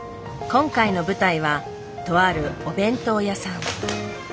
今回の舞台はとあるお弁当屋さん。